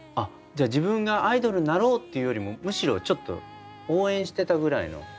自分がアイドルになろうっていうよりもむしろちょっと応援してたぐらいの。